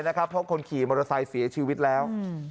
เพราะคนขี่มอเตอร์ไซค์เสียชีวิตแล้ว